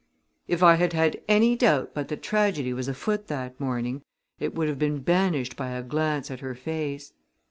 If I had had any doubt but that tragedy was afoot that morning it would have been banished by a glance at her face.